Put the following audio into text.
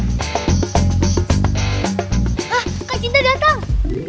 hah kak cinta datang